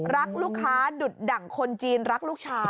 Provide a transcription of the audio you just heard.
รักลูกค้าดุดดั่งคนจีนรักลูกชาย